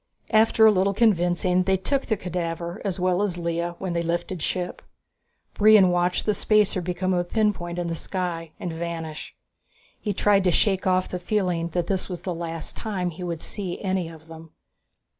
After a little convincing they took the cadaver, as well as Lea, when they lifted ship. Brion watched the spacer become a pinpoint in the sky and vanish. He tried to shake off the feeling that this was the last time he would see any of them.